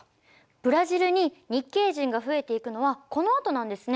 ブラジルに日系人が増えていくのはこのあとなんですね。